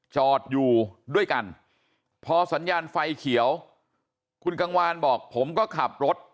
จอดอยู่ด้วยกันพอสัญญาณไฟเขียวคุณกังวานบอกผมก็ขับรถ